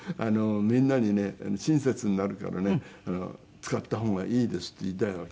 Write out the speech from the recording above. みんなにね親切になるからね使った方がいいですって言いたいわけ。